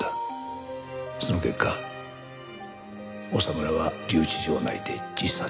その結果長村は留置場内で自殺。